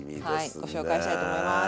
はいご紹介したいと思います。